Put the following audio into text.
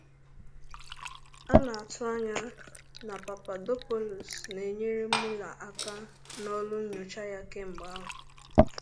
A na-atụ anya na Papadopoulos na-enyere Mueller aka n’ọlụ nnyocha ya kemgbe ahụ